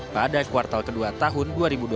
pada kuartal kedua tahun dua ribu dua puluh